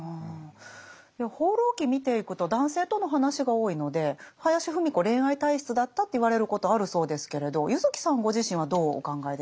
「放浪記」見ていくと男性との話が多いので林芙美子恋愛体質だったって言われることあるそうですけれど柚木さんご自身はどうお考えですか？